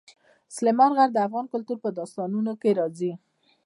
سلیمان غر د افغان کلتور په داستانونو کې راځي.